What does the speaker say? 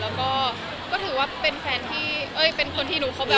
แล้วก็ถือว่าเป็นคนที่หนูเข้าแบบ